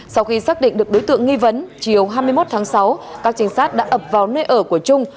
sau khi xác định được đối tượng nghi vấn chiều hai mươi một tháng sáu các trinh sát đã ập vào nơi ở của trung